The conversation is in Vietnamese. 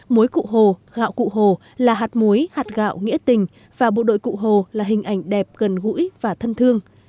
muối cụ hồ gạo cụ hồ là hạt muối hạt gạo nghĩa tình và bộ đội cụ hồ là hình ảnh đẹp gần gũi và thân thương